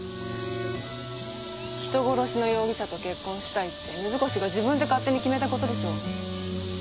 人殺しの容疑者と結婚したいって水越が自分で勝手に決めた事でしょ？